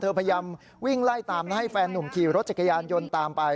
พยายามวิ่งไล่ตามและให้แฟนหนุ่มขี่รถจักรยานยนต์ตามไป